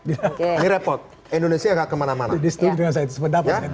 ini repot indonesia nggak kemana mana